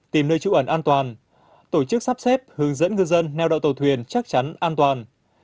tìm nơi trụ ẩn an toàn tổ chức sắp xếp hướng dẫn ngư dân neo đậu tàu thuyền chắc chắn an toàn